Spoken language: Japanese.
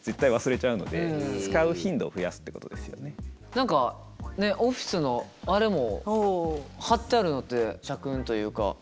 何かオフィスのあれも貼ってあるのって社訓というか。